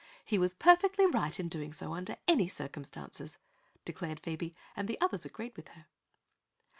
"He was perfectly right in doing so, under any circumstances," declared Phoebe, and the others agreed with her.